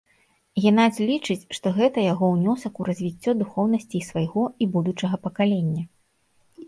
Генадзь лічыць, што гэта яго ўнёсак у развіццё духоўнасці і свайго, і будучага пакалення.